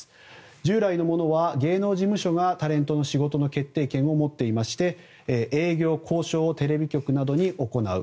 従来のものは芸能事務所がタレントの仕事の決定権を持っていまして営業・交渉をテレビ局などに行う。